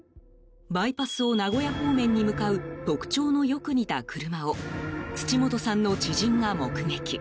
バイパスを名古屋方面に向かう特徴のよく似た車を土本さんの知人が目撃。